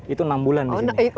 itu enam bulan di sini